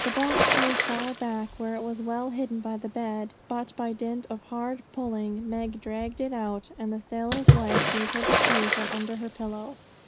The box lay far back, where it was well hidden by the bed; but by dint of hard pulling Meg dragged it out, and the sailor's wife gave her the key from under her pillow.